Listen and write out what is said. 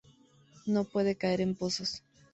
No puede caer en pozos.